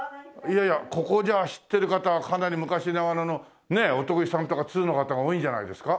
ここじゃあ知ってる方かなり昔ながらのねえお得意さんとか通の方が多いんじゃないですか？